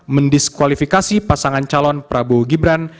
mendiskualifikasi pasangan calon prabowo gibran